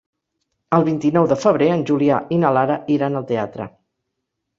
El vint-i-nou de febrer en Julià i na Lara iran al teatre.